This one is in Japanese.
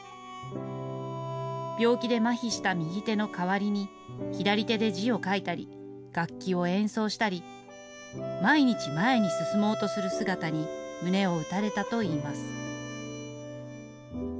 病気でまひした右手の代わりに左手で字を書いたり、楽器を演奏したり、毎日、前へ進もうとする姿に、胸を打たれたといいます。